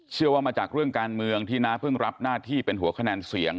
เชื่อว่ามาจากเรื่องการเมืองที่น้าเพิ่งรับหน้าที่เป็นหัวคะแนนเสียง